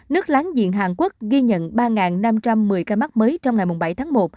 nước láng giềng hàn quốc ghi nhận ba năm trăm một mươi ca mắc mới trong ngày bảy tháng một